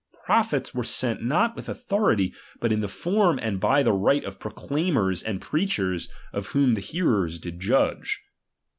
Pro phets were sent not with authority, but in the form and by the right of proclaimers and preach ers, of whom the hearers did judge.